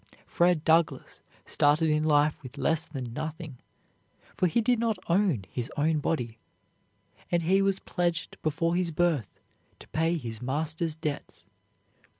Fred Douglass started in life with less than nothing, for he did not own his own body, and he was pledged before his birth to pay his master's debts.